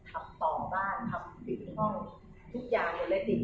หรือเป็นอะไรที่คุณต้องการให้ดู